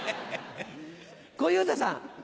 小遊三さん。